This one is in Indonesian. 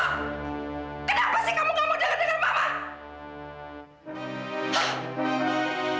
kenapa sih kamu gak mau denger dengar mama